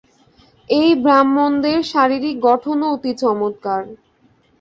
এই ব্রাহ্মণদের শারীরিক গঠনও অতি চমৎকার।